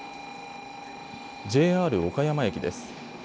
ＪＲ岡山駅です。